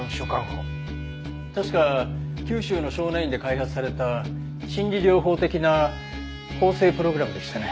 確か九州の少年院で開発された心理療法的な更生プログラムでしたね。